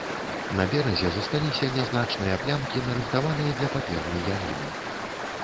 На беразе засталіся нязначныя плямкі нарыхтаванай для паперні яліны.